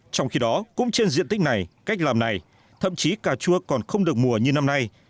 trong khi đó cũng trên diện tích này cách làm này thậm chí cà chua còn không được mùa như năm nay